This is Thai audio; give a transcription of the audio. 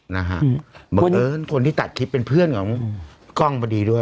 บังเอิญคนที่ตัดคลิปเป็นเพื่อนของกล้องพอดีด้วย